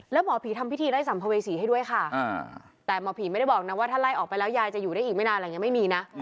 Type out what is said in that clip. แล้วหมอผีทำพิธีไล่สัมภเวษีให้ด้วยค่ะแต่หมอผีไม่ได้บอกนะว่าถ้าไล่ออกไปแล้วยายจะอยู่ได้อีกไม่นานอะไรอย่างนี้ไม่มีนะ